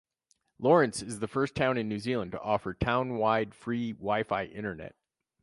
Lawrence is the first town in New Zealand to offer town-wide free WiFi internet.